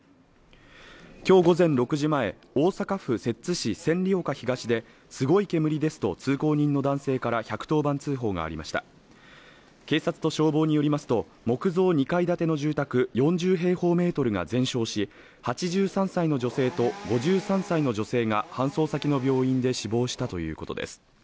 今日午前６時前大阪府摂津市千里丘東ですごい煙ですと通行人の男性から１１０番通報がありました警察と消防によりますと木造２階建ての住宅４０平方メートルが全焼し８３歳の女性と５３歳の女性が搬送先の病院で死亡したということです